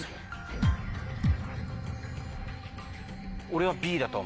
俺は。